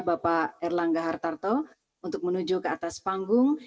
bapak erlangga hartarto untuk menuju ke atas panggung